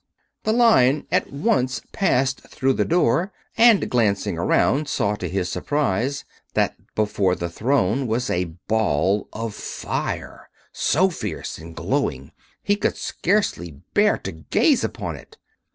The Lion at once passed through the door, and glancing around saw, to his surprise, that before the throne was a Ball of Fire, so fierce and glowing he could scarcely bear to gaze upon it.